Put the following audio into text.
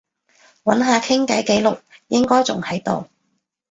揾下傾偈記錄，應該仲喺度